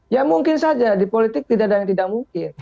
ya mungkin saja di politik tidak ada yang tidak mungkin